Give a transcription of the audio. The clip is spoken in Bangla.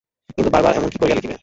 কিন্তু বার বার এমন কী করিয়া লিখিবে।